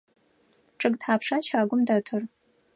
Чъыг тхьапша щагум дэтыр?